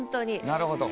なるほど。